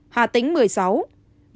hà tĩnh một mươi sáu